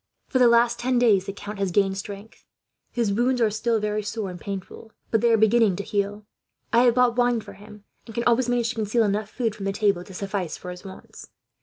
"'For the last ten days, the count has gained strength. His wounds are still very sore and painful, but they are beginning to heal. I have bought wine for him, and can always manage to conceal enough food, from the table, to suffice for his wants.